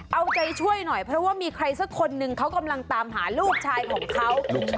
เอาใจช่วยหน่อยเพราะว่ามีใครสักคนหนึ่งเขากำลังตามหาลูกชายของเขา